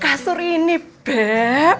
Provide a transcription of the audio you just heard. kasur ini beb